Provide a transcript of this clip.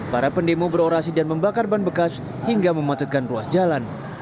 para pendemo berorasi dan membakar ban bekas hingga memacetkan ruas jalan